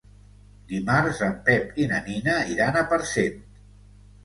Dimarts en Pep i na Nina iran a Parcent.